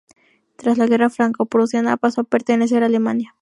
Tras la guerra Franco-Prusiana pasó a pertenecer a Alemania.